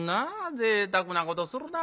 ぜいたくなことするなぁ金持ち